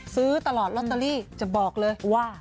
ซื้อตลอดลอตเตอรี่จะบอกเลยว่า